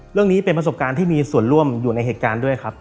เรื่องนี้เป็นประสบการณ์ที่มีส่วนร่วมอยู่ในเหตุการณ์ด้วยครับ